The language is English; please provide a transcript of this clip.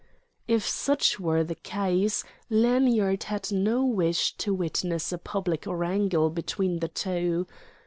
If such were the case, Lanyard had no wish to witness a public wrangle between the two.